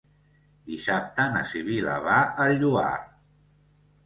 Dissabte na Sibil·la va al Lloar.